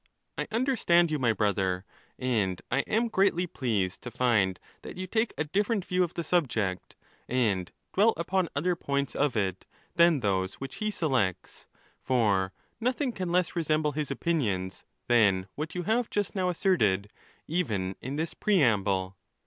—I understand you, my brother; and I am greatly pleased to find that you take a different view of the subject, and dwell upon other points of it, than those which he selects, for nothing can less resemble his opinions, than what you have just now asserted, even in this preamble.